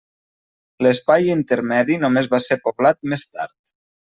L'espai intermedi només va ser poblat més tard.